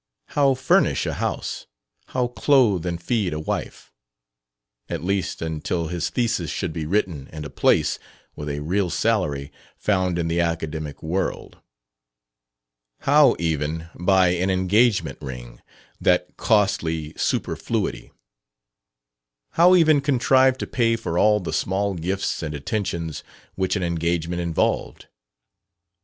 How furnish a house, how clothe and feed a wife? at least until his thesis should be written and a place, with a real salary, found in the academic world. How, even, buy an engagement ring that costly superfluity? How even contrive to pay for all the small gifts and attentions which an engagement involved?